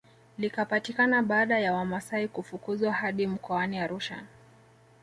Likapatikana baada ya wamasai kufukuzwa hadi mkoani Arusha